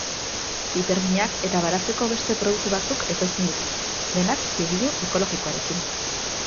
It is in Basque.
Piperminak eta baratzeko beste produktu batzuk ekoizten ditu, denak zigilu ekologikoarekin.